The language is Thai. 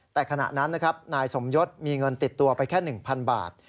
แต่ขณะนั้นนะครับนายสมยศมีเงินติดตัวไปแค่๑๐๐บาท